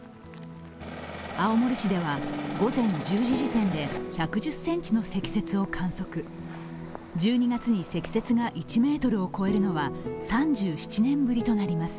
青森市では午前１０時時点で１１０ｃｍの積雪を観測、１２月に積雪が１ｍを超えるのは３７年ぶりとなります。